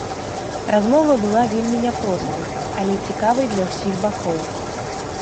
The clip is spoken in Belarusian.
Размова была вельмі не простай, але цікавай для ўсіх бакоў.